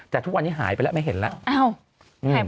แต่ทุกวันนี้หายไปแล้วไม่เห็นแล้ว